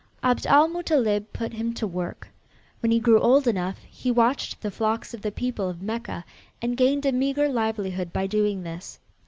Abd al Muttalib put him to work. When he grew old enough, he watched the flocks of the people of Mecca, and gained a meager livelihood by doing this.